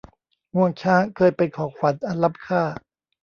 งวงช้างเคยเป็นของขวัญอันล้ำค่า